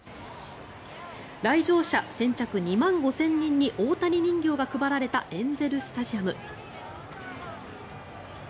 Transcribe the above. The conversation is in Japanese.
来場者先着２万５０００人に大谷人形が配られたエンゼル・スタジアム。